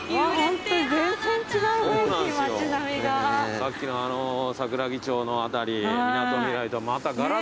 さっきの桜木町の辺りみなとみらいとはまたがらっとね。